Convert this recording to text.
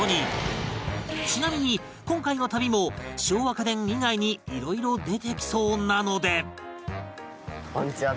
ちなみに今回の旅も昭和家電以外に色々出てきそうなので